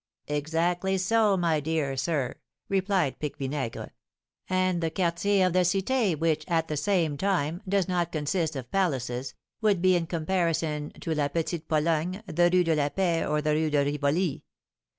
"Exactly so, my dear sir," replied Pique Vinaigre; "and the Quartier of the Cité, which, at the same time, does not consist of palaces, would be in comparison to La Petite Pologne the Rue de la Paix or the Rue de Rivoli.